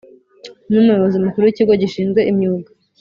ni Umuyobozi Mukuru w Ikigo gishinzwe imyuga